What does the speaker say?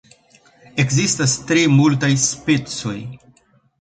Ekzistas tre multaj specoj.